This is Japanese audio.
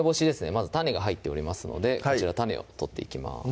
まず種が入っておりますのでこちら種を取っていきます